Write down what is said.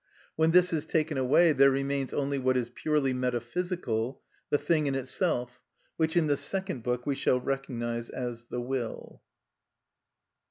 When this is taken away there remains only what is purely metaphysical, the thing in itself, which in the second book we shall recognise as the will.